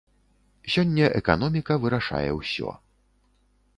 Сёння эканоміка вырашае усё.